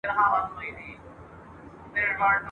د ژوند تڼاکي سولوم په سرابي مزلونو !.